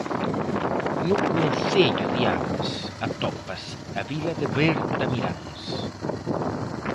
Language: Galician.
No concello de Ames atópase a vila de Bertamiráns.